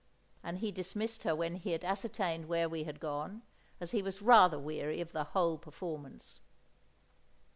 And he dismissed her when he had ascertained where we had gone, as he was rather weary of the whole performance.